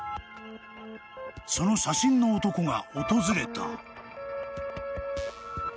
［その写真の男が訪れた］